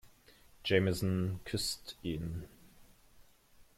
Jamieson küsst ihn.